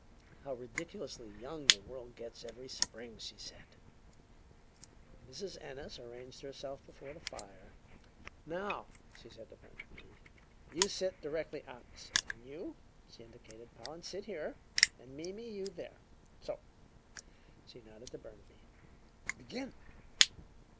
"How ridiculously young the world gets every spring!" she said. Mrs. Ennis arranged herself before the fire. "Now," she said to Burnaby, "you sit directly opposite. And you" she indicated Pollen "sit here. And Mimi, you there. So!" She nodded to Burnaby. "Begin!"